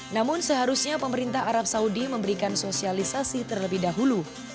namun seharusnya pemerintah arab saudi memberikan sosialisasi terlebih dahulu